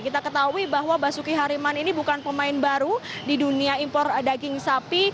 kita ketahui bahwa basuki hariman ini bukan pemain baru di dunia impor daging sapi